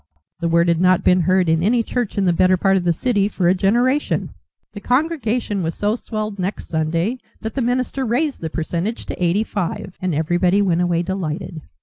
The word had not been heard in any church in the better part of the City for a generation. The congregation was so swelled next Sunday that the minister raised the percentage to eighty five, and everybody went away delighted.